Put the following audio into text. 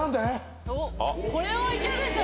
おっこれはいけるでしょ